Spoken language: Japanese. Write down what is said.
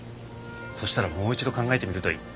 そしたらもう一度考えてみるといい。